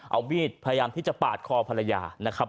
เอามีดพยายามที่จะปาดคอภรรยานะครับ